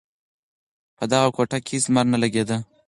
په دغه کوټه کې هېڅ لمر نه لگېده.